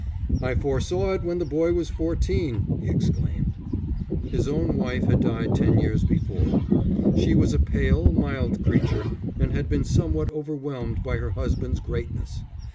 "I foresaw it when the boy was fourteen," he exclaimed. His own wife had died ten years before. She was a pale, mild creature, and had been somewhat overwhelmed by her husband's greatness.